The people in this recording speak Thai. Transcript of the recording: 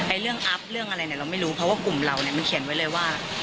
เรื่องอัพเรื่องอะไรเนี่ยเราไม่รู้เพราะว่ากลุ่มเราเนี่ยมันเขียนไว้เลยว่า